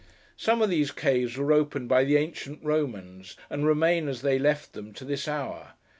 Some of these caves were opened by the ancient Romans, and remain as they left them to this hour.